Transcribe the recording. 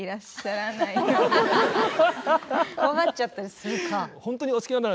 怖がっちゃったりするか。